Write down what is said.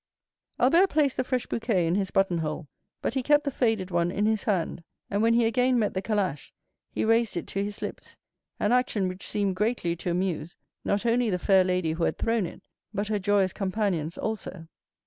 Albert placed the fresh bouquet in his button hole, but he kept the faded one in his hand; and when he again met the calash, he raised it to his lips, an action which seemed greatly to amuse not only the fair lady who had thrown it, but her joyous companions also.